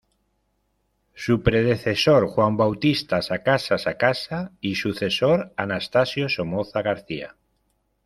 Su predecesor Juan Bautista Sacasa Sacasa y sucesor Anastasio Somoza García